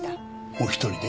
お一人で？